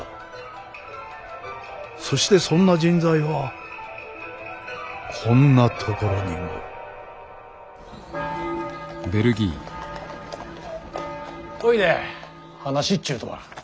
そしてそんな人材はこんなところにも。ほいで話っちゅうとは。